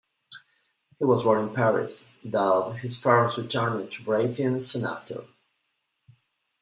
He was born in Paris, though his parents returned to Britain soon after.